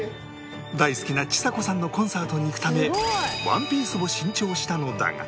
大好きなちさ子さんのコンサートに行くためワンピースを新調したのだが